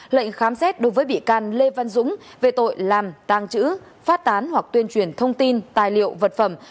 lệnh khám xét đối với bị can lê văn dũng về tội làm tàng trữ phát tán hoặc tuyên truyền thông tin tài liệu vật phẩm